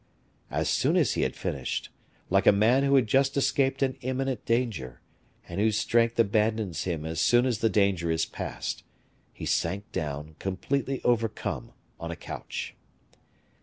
As soon as he had finished, like a man who has just escaped an imminent danger, and whose strength abandons him as soon as the danger is past, he sank down, completely overcome, on a couch.